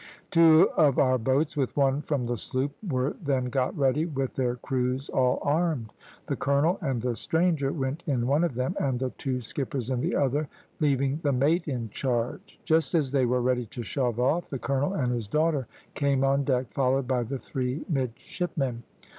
Two of our boats, with one from the sloop, were then got ready, with their crews all armed. The colonel and the stranger went in one of them, and the two skippers in the other, leaving the mate in charge. Just as they were ready to shove off, the colonel and his daughter came on deck, followed by the three midshipmen."